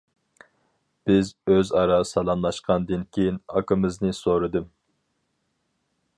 بىز ئۆزئارا سالاملاشقاندىن كېيىن ئاكىمىزنى سورىدىم.